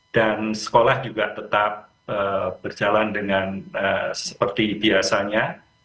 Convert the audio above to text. sekolah juga tetap berjalan dengan seperti biasanya